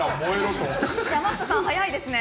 山下さん、早いですね。